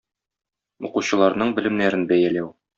Укучыларның белемнәрен бәяләү.